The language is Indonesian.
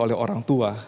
oleh orang tua